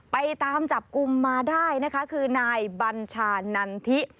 ไปตามจับกลุ่มมาได้นะคะคือนายบัญชานันทิ